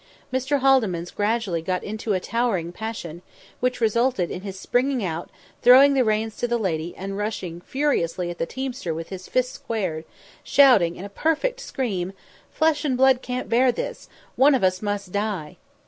Mr. Haldimands gradually got into a towering passion, which resulted in his springing out, throwing the reins to the lady, and rushing furiously at the teamster with his fists squared, shouting in a perfect scream, "Flesh and blood can't bear this. One of us must die!"